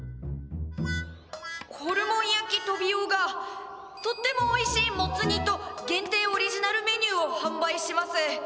「ホルモン焼トビオがとってもおいしいモツ煮と限定オリジナルメニューを販売します」。